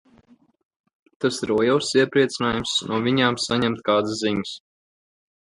Tas ir liels iepriecinājums no viņām saņemt kādas ziņas.